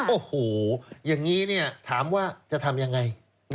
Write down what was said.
โอ้โหอย่างนี้ถามว่าจะทำยังไง